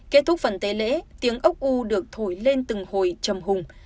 kết thúc phần tế lễ tiếng ốc u được thổi lên từng hồi trầm hùng